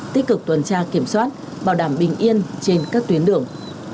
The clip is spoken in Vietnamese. tích cực tuần tra kiểm soát bảo đảm bình yên trên các tuyến đường